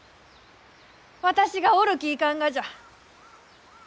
私がおるきいかんがじゃ！